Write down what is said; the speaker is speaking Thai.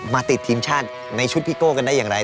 มาติดทีมชาติในชุดพิโก้ได้อย่างไร